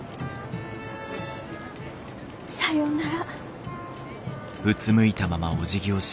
さようなら。